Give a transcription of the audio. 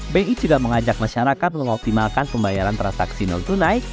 bi juga mengajak masyarakat mengoptimalkan pembayaran transaksi non tunai